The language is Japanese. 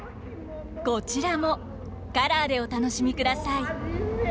こちらもカラーでお楽しみください。